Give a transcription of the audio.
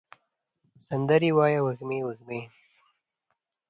سندرې ووایې وږمې، وږمې